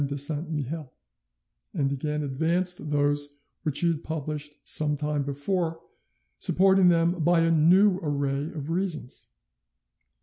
de Saint Mihiel, and again advanced those which he had published some time before, supporting them by a new array of reasons.